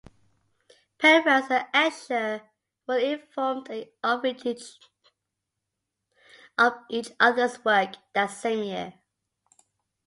Penrose and Escher were informed of each other's work that same year.